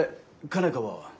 佳奈花は？